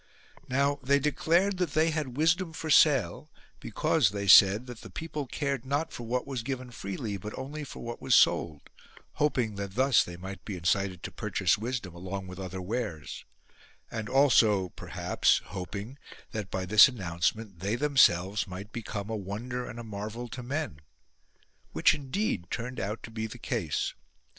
Now they declared that they had wisdom for sale because they said that the people cared not for what was given freely but only for what was sold, hoping that thus they might be incited to purchase wisdom along with other wares ; and also perhaps hoping that by this announcement they themselves might become a wonder and a marvel to men : which indeed turned out to be the case.